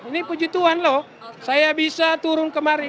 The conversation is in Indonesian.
ini puji tuhan loh saya bisa turun kemari